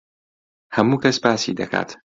هەموو کەس باسی دەکات.